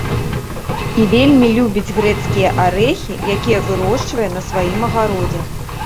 І вельмі любіць грэцкія арэхі, якія вырошчвае на сваім агародзе.